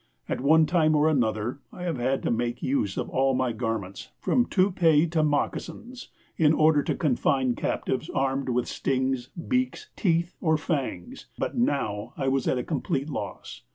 At one time or another I have had to make use of all my garments, from topee to moccasins, in order to confine captives armed with stings, beaks, teeth, or fangs, but now I was at a complete loss.